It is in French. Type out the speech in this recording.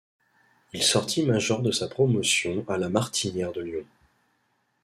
Il sortit major de sa promotion à La Martinière de Lyon.